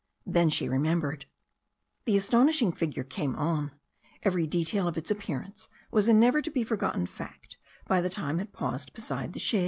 Then she remembered. The astonishing figure came on. Every detail of its ap pearance was a never to be forgotten fact by the time it paused beside the shed.